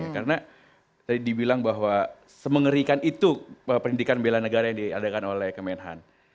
karena tadi dibilang bahwa semengerikan itu pendidikan bila negara yang diadakan oleh kemenhan